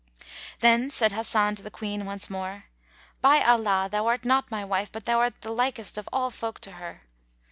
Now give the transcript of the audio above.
Then said Hasan to the Queen once more, "By Allah, thou art not my wife, but thou art the likest of all folk to her!"